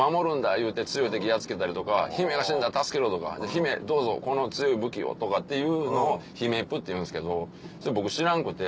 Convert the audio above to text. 言うて強い敵やっつけたりとか姫が死んだ助けろ！とか姫どうぞこの強い武器を！とかっていうのを姫プっていうんですけどそれ僕知らんくて。